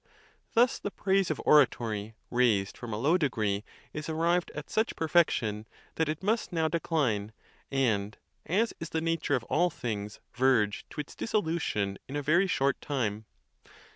Thus the praise of oratory, raised from a low degree, is _arrived at such perfection that it must now decline, and, as is the nature of all things, verge to its dissolution in a very short time.